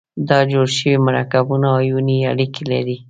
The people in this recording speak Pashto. دا جوړ شوي مرکبونه آیوني اړیکې لري.